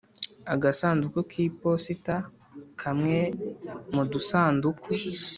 agasanduku kiposita: kamwe mu dusanduku